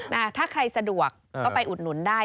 ถ้าใครสะดวกก็ไปอุดหนุนได้